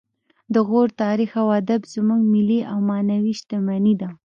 د غور تاریخ او ادب زموږ ملي او معنوي شتمني ده